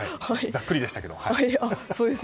ざっくりでしたけど。